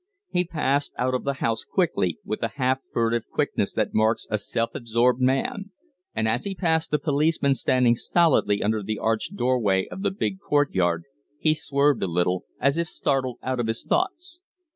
He passed out of the House quickly, with the half furtive quickness that marks a self absorbed man; and as he passed the policeman standing stolidly under the arched door way of the big court yard he swerved a little, as if startled out of his thoughts.